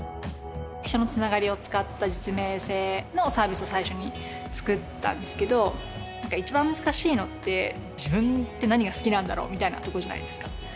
人のつながりを使った実名制のサービスを最初につくったんですけど一番難しいのって自分って何が好きなんだろうみたいなとこじゃないですか